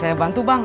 saya bantu bang